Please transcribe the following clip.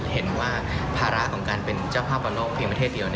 เห็นว่าภาระของการเป็นเจ้าภาพบอลโลกเพียงประเทศเดียว